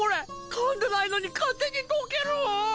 かんでないのに勝手に溶ける。